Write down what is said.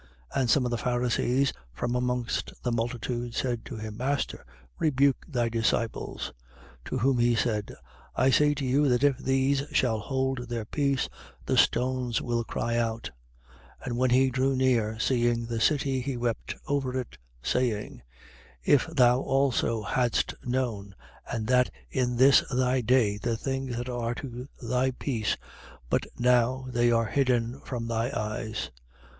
19:39. And some of the Pharisees, from amongst the multitude, said to him: Master, rebuke thy disciples. 19:40. To whom he said: I say to you that if these shall hold their peace, the stones will cry out. 19:41. And when he drew near, seeing the city, he wept over it, saying: 19:42. If thou also hadst known, and that in this thy day, the things that are to thy peace: but now they are hidden from thy eyes.